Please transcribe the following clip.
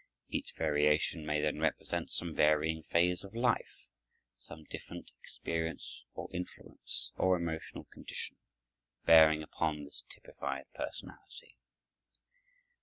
Each variation may then represent some varying phase of life, some different experience or influence, or emotional condition, bearing upon this typified personality.